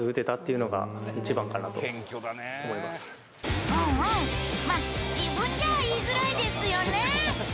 うんうんまっ自分じゃ言いづらいですよね